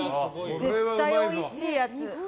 絶対おいしいやつ。